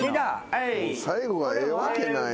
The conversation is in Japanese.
最後がええわけないねん。